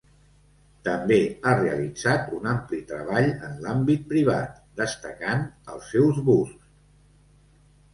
També ha realitzat un ampli treball en l'àmbit privat, destacant els seus busts.